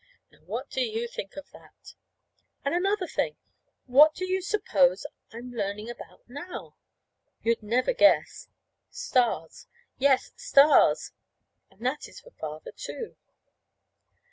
Now, what do you think of that? And another thing. What do you suppose I am learning about now? You'd never guess. Stars. Yes, stars! And that is for Father, too.